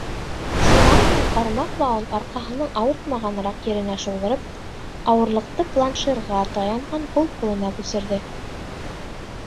Шунан һуң ҡармаҡ бауын арҡаһының ауыртмағаныраҡ еренә шыуҙырып, ауырлыҡты планширға таянған һул ҡулына күсерҙе.